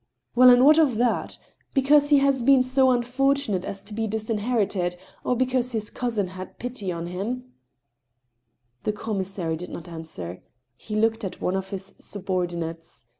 Well, and what of that ? Because he has been so unfortunate as to be disinherited ? Or because his cousin had pity on him ?" THE HAMMER. IO5 The commissary di^ not answer ; he looked at one of his subor dinates.